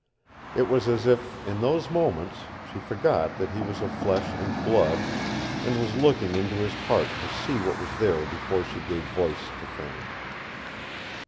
It was as if, in those moments, she forgot that he was of flesh and blood, and was looking into his heart to see what was there before she gave voice to things.